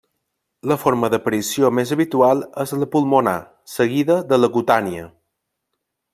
La forma d'aparició més habitual és la pulmonar, seguida de la cutània.